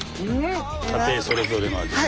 家庭それぞれの味です。